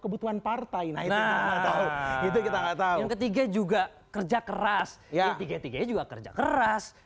kebutuhan partai nah itu kita nggak tahu yang ketiga juga kerja keras tiga tiganya juga kerja keras